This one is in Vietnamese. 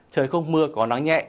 trời không mưa có nắng nhẹ